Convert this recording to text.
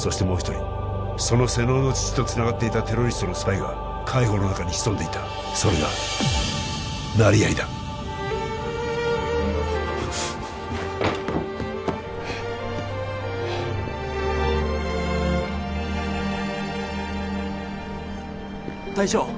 もう一人その瀬能の父とつながっていたテロリストのスパイが海保の中に潜んでいたそれが成合だ隊長